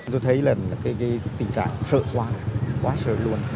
tôi thấy là cái tình trạng sợ quá quá sợ luôn